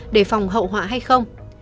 để phòng hậu họa hay không